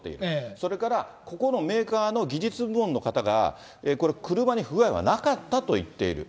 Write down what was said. それから、ここのメーカーの技術部門の方が、これ、車に不具合はなかったと言っている。